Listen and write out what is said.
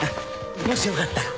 もしよかったら。